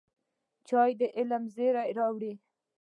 چای د علم زېری راوړي